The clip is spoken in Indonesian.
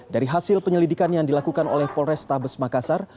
dari hasil penyelidikan yang dilakukan oleh polres tabes makassar